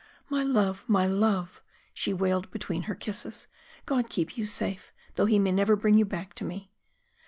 "My love, my love," she wailed between her kisses, "God keep you safe though He may never bring you back to me."